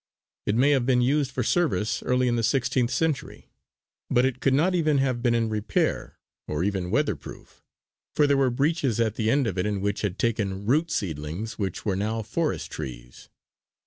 It may have been used for service early in the sixteenth century; but it could not even have been in repair, or even weather proof, for there were breaches at the end of it in which had taken root seedlings which were now forest trees.